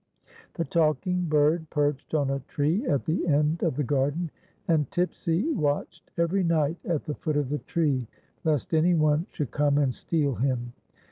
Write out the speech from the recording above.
The talking bird perched on a tree at the end of tlie garden, and Tipsy watched every night at the foot of the tree lest any one should come and steal him.